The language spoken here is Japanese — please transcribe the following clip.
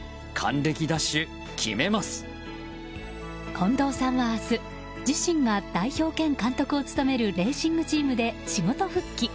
近藤さんは明日自身が代表兼監督を務めるレーシングチームで仕事復帰。